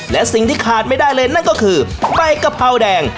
และสิ่งที่ขาดไม่ได้เลยนั่นก็คือใบกะเพราแดง